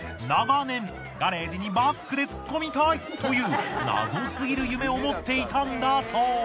長年ガレージにバックで突っ込みたいという謎すぎる夢を持っていたんだそう。